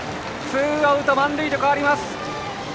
ツーアウト満塁へと変わります。